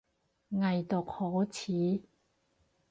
偽毒可恥